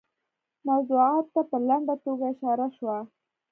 موضوعاتو ته په لنډه توګه اشاره شوه.